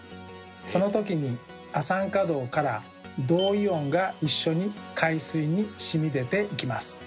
そのときに亜酸化銅から「銅イオン」が一緒に海水にしみ出ていきます。